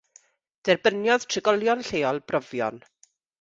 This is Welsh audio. Derbyniodd trigolion lleol brofion.